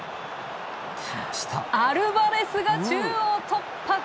アルバレスが中央突破！